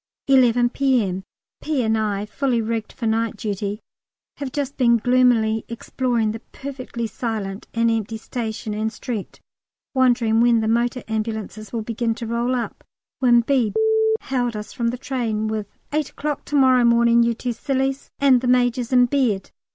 11 P.M. P. and I, fully rigged for night duty, have just been gloomily exploring the perfectly silent and empty station and street, wondering when the motor ambulances would begin to roll up, when B hailed us from the train with "8 o'clock to morrow morning, you two sillies, and the Major's in bed!"